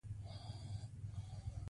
په پرله پسې ډول دفع شي.